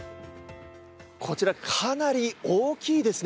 こちらかなり大きいですね。